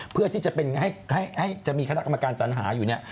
เพื่อที่จะมีคณะกรรมการสัญหาอยู่เนี่ย